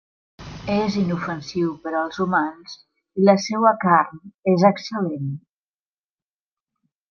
És inofensiu per als humans i la seua carn és excel·lent.